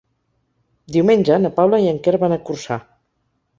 Diumenge na Paula i en Quer van a Corçà.